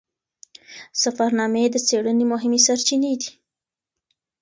سفرنامې د څیړنې مهمې سرچینې دي.